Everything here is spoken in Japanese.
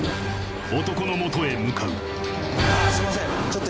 男の元へ向かうあすいません。